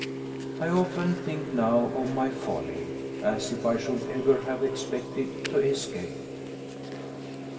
I often think now of my folly: as if I should ever have expected to escape!